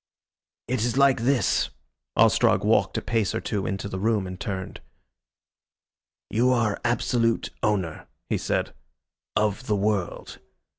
"It is like this." Ostrog walked a pace or two into the room and turned. "You are absolute owner," he said, "of the world.